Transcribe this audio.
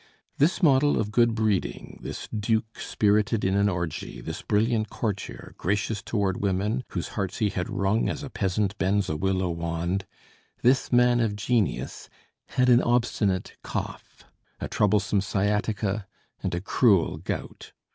This model of good breeding, this duke spirited in an orgy, this brilliant courtier, gracious toward women, whose hearts he had wrung as a peasant bends a willow wand, this man of genius, had an obstinate cough, a troublesome sciatica and a cruel gout.